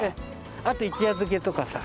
あと一夜漬けとかさ。